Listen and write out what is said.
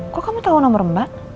kok kamu tau nomor empat